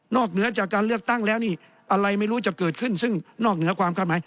เหนือจากการเลือกตั้งแล้วนี่อะไรไม่รู้จะเกิดขึ้นซึ่งนอกเหนือความคาดหมาย